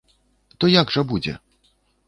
То як жа будзе?